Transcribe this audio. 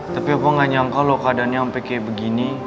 tapi aku gak nyangka loh keadaannya sampai kayak begini